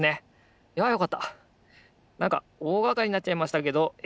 なんかおおがかりになっちゃいましたけどえ